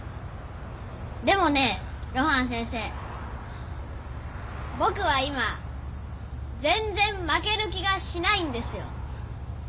でもね露伴先生ぼくは今ぜんぜん負ける気がしないんですよ。